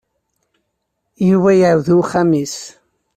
Yuba iɛawed i uxxam-is.